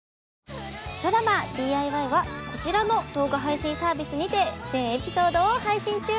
ドラマ「ＤＩＹ‼」はこちらの動画配信サービスにて全エピソードを配信中。